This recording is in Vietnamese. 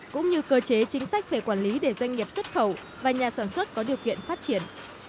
cũng như cơ chế chính sách về quản lý để doanh nghiệp xuất khẩu và nhà sản xuất có điều kiện phát triển